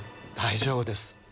大丈夫です。